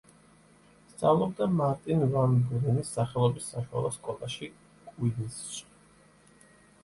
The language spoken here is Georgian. სწავლობდა მარტინ ვან ბურენის სახელობის საშუალო სკოლაში, კუინზში.